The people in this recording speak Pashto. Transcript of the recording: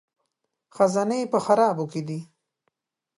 خزانې په خرابو کې دي